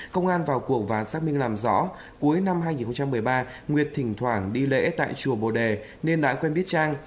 công an vào cuộc và xác minh làm rõ cuối năm hai nghìn một mươi ba nguyệt thỉnh thoảng đi lễ tại chùa bồ đề nên đã quen biết trang